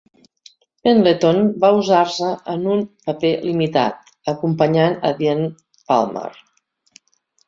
Pendleton va usar-se en un paper limitat, acompanyant a Dean Palmer.